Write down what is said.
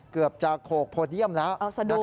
เกือบจะโขกโพเดียมแล้ว